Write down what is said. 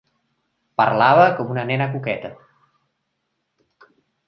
Parlava com una nena coqueta.